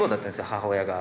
母親が。